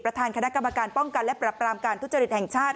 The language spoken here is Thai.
คณะกรรมการป้องกันและปรับปรามการทุจริตแห่งชาติ